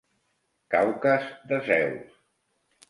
Caucas de Zeus.